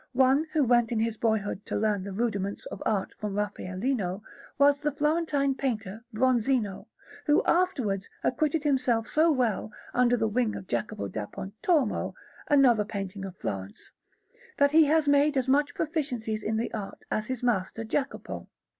One, who went in his boyhood to learn the rudiments of art from Raffaellino, was the Florentine painter Bronzino, who afterwards acquitted himself so well under the wing of Jacopo da Pontormo, another painter of Florence, that he has made as much proficience in the art as his master Jacopo.